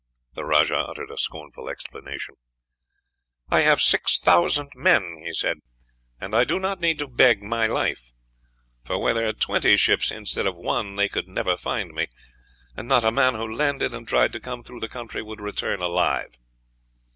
The rajah uttered a scornful exclamation. "I have six thousand men," he said, "and I do not need to beg my life; for were there twenty ships instead of one they could never find me, and not a man who landed and tried to come through the country would return alive.